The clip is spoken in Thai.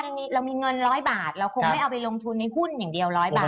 เรามีเงิน๑๐๐บาทเราคงไม่เอาไปลงทุนในหุ้นอย่างเดียว๑๐๐บาท